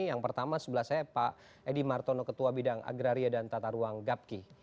yang pertama sebelah saya pak edi martono ketua bidang agraria dan tata ruang gapki